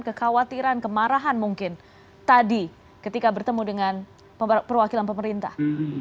kekhawatiran kemarahan mungkin tadi ketika bertemu dengan perwakilan pemerintah